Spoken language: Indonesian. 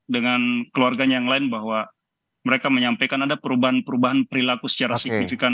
dengan keluarganya yang lain bahwa mereka menyampaikan ada perubahan perubahan perilaku secara signifikan